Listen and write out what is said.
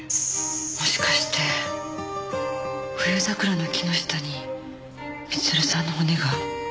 もしかしてフユザクラの木の下に光留さんの骨が。